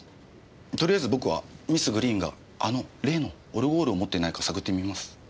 とりあえず僕はミス・グリーンがあの例のオルゴールを持っていないか探ってみます。